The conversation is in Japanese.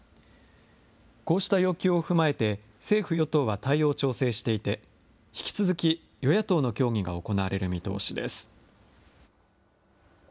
こうした要求を踏まえて、政府・与党は対応を調整していて、引き続き、与野党の協議が行われる見通しです。